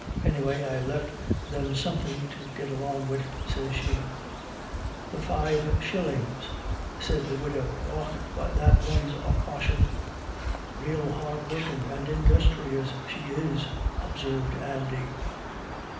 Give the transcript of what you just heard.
Anyway, I left them some thin' to git along wid,' sez she —" "The five shillins," said the widow. "Och, but that one's a caution." "Rael hard workin' and industhrious she is," observed Andy.